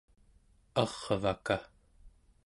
arvaka